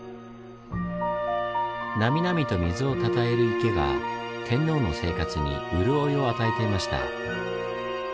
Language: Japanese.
なみなみと水をたたえる池が天皇の生活に潤いを与えていました。